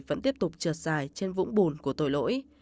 vẫn tiếp tục trượt dài trên vũng bùn của tội lỗi